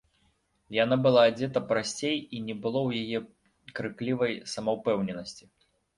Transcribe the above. Яна была адзета прасцей, і не было ў яе крыклівай самаўпэўненасці.